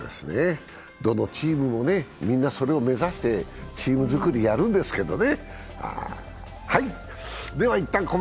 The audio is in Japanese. どのチームもみんなそれを目指してチームづくりやるんですけどね。